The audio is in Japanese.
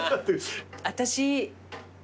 私。